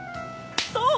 そう！